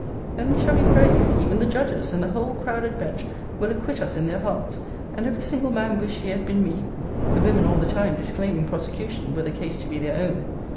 Then we shall be praised even the judges, and the whole crowded bench, will acquit us in their hearts! and every single man wish he had been me! the women, all the time, disclaiming prosecution, were the case to be their own.